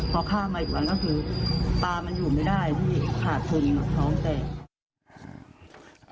พอข้ามมาอีกวันก็คือปลามันอยู่ไม่ได้พี่ขาดทุนท้องแตก